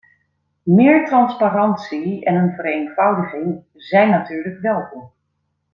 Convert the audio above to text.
Meer transparantie en een vereenvoudiging zijn natuurlijk welkom.